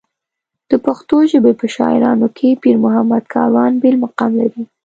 د پښتو ژبې په شاعرانو کې پېرمحمد کاروان بېل مقام لري.